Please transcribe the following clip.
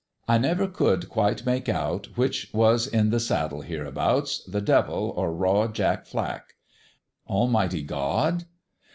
I never could quite make out which was in the saddle hereabouts, the devil or Raw Jack Flack. Almighty God?